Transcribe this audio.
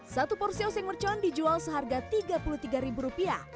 satu porsi oseng mercon dijual seharga rp tiga puluh tiga